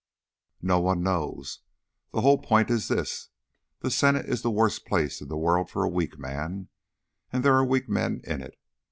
"No one knows. The whole point is this: the Senate is the worst place in the world for a weak man, and there are weak men in it.